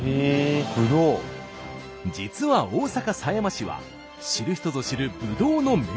実は大阪狭山市は知る人ぞ知るぶどうの名産地。